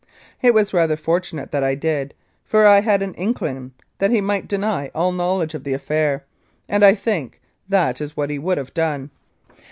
It was rather fortunate that I did, for I had an inkling that he might deny all knowledge of the affair, and I think that is what he would have done.